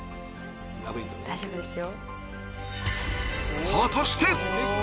大丈夫ですよ。